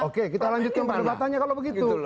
oke kita lanjutkan perdebatannya kalau begitu